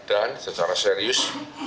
dan secara serius